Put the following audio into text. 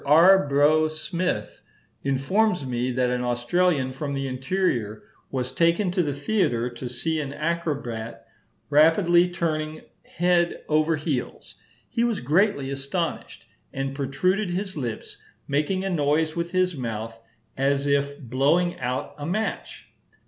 R. Brough Smith informs me that an Australian from the interior was taken to the theatre to see an acrobat rapidly turning head over heels: "he was greatly astonished, and protruded his lips, making a noise with his mouth as if blowing out a match."